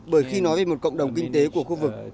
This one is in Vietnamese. bởi khi nói về một cộng đồng kinh tế của khu vực